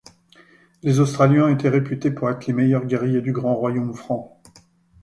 Les Austrasiens étaient réputés pour être les meilleurs guerriers du grand royaume franc.